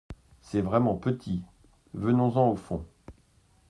C’est vraiment petit ! Venons-en au fond.